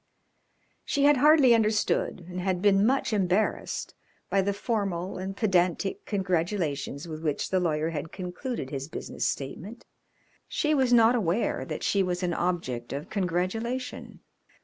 She had hardly understood and had been much embarrassed by the formal and pedantic congratulations with which the lawyer had concluded his business statement. She was not aware that she was an object of congratulation.